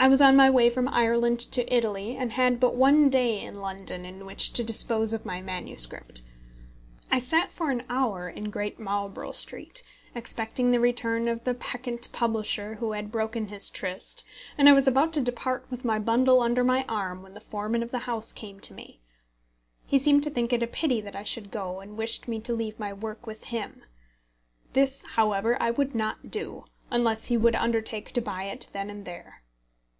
I was on my way from Ireland to Italy, and had but one day in London in which to dispose of my manuscript. I sat for an hour in Great Marlborough Street, expecting the return of the peccant publisher who had broken his tryst, and I was about to depart with my bundle under my arm when the foreman of the house came to me. He seemed to think it a pity that I should go, and wished me to leave my work with him. This, however, I would not do, unless he would undertake to buy it then and there.